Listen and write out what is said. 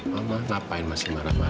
jangan jadi balenya